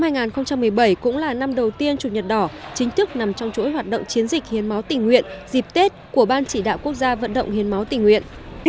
năm hai nghìn một mươi bảy cũng là năm đầu tiên chủ nhật đỏ chính thức nằm trong chuỗi hoạt động chiến dịch hiến máu tình nguyện dịp tết của ban chỉ đạo quốc gia vận động hiến máu tình nguyện